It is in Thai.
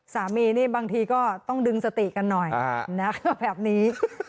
สามีนี่บางทีก็ต้องดึงสติกันหน่อยนะคะแบบนี้